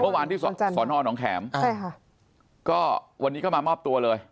ก็วันนี้มาก็มามอบตัวเลย